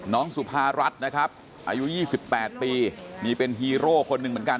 สุภารัฐนะครับอายุ๒๘ปีนี่เป็นฮีโร่คนหนึ่งเหมือนกัน